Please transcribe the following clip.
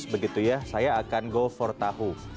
begitu ya saya akan go for tahu